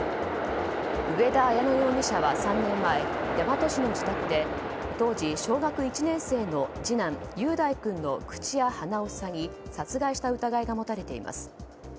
上田綾乃容疑者は３年前大和市の自宅で当時、小学１年生の次男雄大君の口や鼻を塞ぎ殺害した疑いが持たれています。